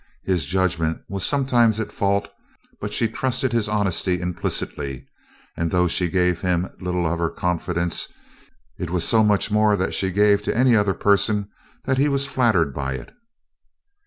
His judgment was sometimes at fault, but she trusted his honesty implicitly and, though she gave him little of her confidence, it was so much more than she gave to any other person that he was flattered by it.